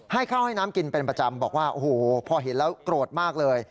ให้ข้าวให้น้ำกินเป็นประจำบอกว่าโอ้โหพอเห็นแล้วโกรธมากเลย